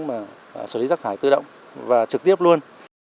mà xử lý rác thải tự động và trực tiếp luôn